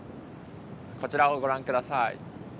こちらをご覧下さい。